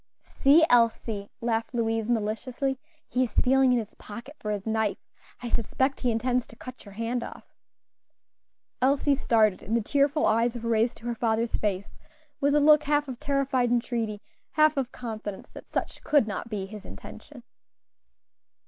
"See, Elsie," laughed Louise, maliciously, "he is feeling in his pocket for his knife. I suspect he intends to cut your hand off." Elsie started, and the tearful eyes were raised to her father's face with a look half of terrified entreaty, half of confidence that such could not be his intention.